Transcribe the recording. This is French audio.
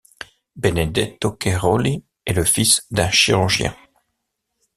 Benedetto Cairoli est le fils d'un chirurgien.